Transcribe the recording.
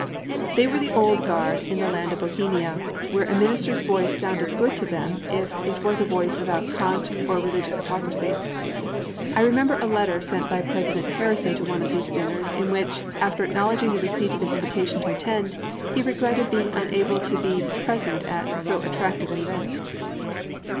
They were the old guard of the land of Bohemia, where a minister's voice sounded good to them if it was a voice without cant or religious hypocrisy. I remember a letter sent by President Harrison to one of these dinners, in which, after acknowledging the receipt of an invitation to attend, he regretted being unable to be present at "so attractive an event."